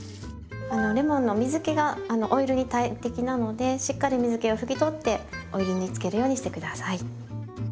レモンの水けがオイルに大敵なのでしっかり水気をふき取ってオイルに漬けるようにして下さい。